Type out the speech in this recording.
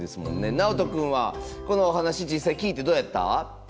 なおとくんはこのお話実際聞いてどうやった？